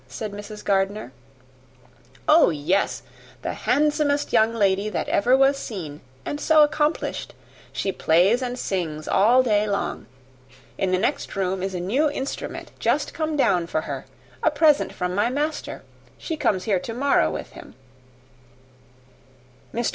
said Mr. Gardiner. "Oh, yes the handsomest young lady that ever was seen; and so accomplished! She plays and sings all day long. In the next room is a new instrument just come down for her a present from my master: she comes here to morrow with him." Mr.